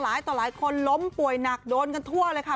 ต่อหลายคนล้มป่วยหนักโดนกันทั่วเลยค่ะ